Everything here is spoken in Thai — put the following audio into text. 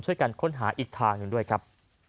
ช่วยกันค้นหาอีกทางหนึ่งด้วยครับ